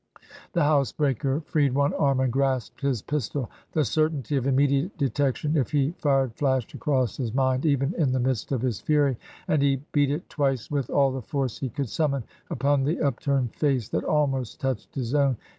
The housebreaker freed one arm and grasped his pistol. The certainty of immediate detection if he fired flashed across his mind even in the midst of his fury ; and he beat it twice, with all the force he could summon, upon the upturned face that almost touched his own.